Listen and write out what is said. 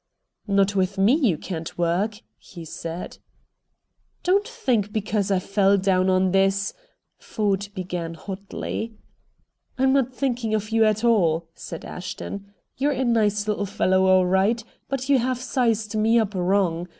"Not with ME you can't work!" he said. "Don't think because I fell down on this," Ford began hotly. "I'm not thinking of you at all," said Ashton. "You're a nice little fellow all right, but you have sized me up wrong.